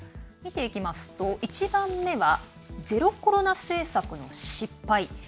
見ていきますと１番目はゼロコロナ政策の失敗。